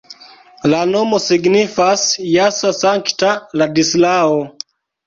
La nomo signifas jasa-sankta-Ladislao.